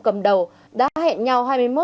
cầm đầu đã hẹn nhau hai mươi một h